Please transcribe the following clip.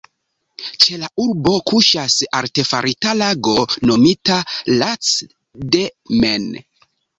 Ĉe la urbo kuŝas artefarita lago nomita "Lac de Maine".